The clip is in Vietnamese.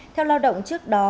theo lao động trước đó